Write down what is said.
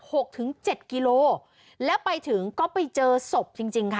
ถึงเจ็ดกิโลแล้วไปถึงก็ไปเจอศพจริงจริงค่ะ